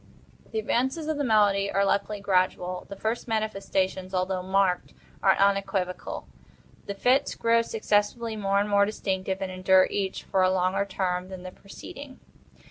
The advances of the malady are, luckily, gradual. The first manifestations, although marked, are unequivocal. The fits grow successively more and more distinctive, and endure each for a longer term than the preceding.